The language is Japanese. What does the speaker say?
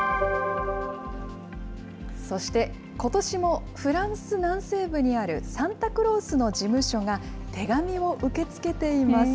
そして、ことしもフランス南西部にあるサンタクロースの事務所が、手紙を受け付けています。